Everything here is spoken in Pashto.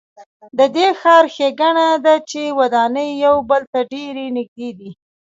د دې ښار ښېګڼه ده چې ودانۍ یو بل ته ډېرې نږدې دي.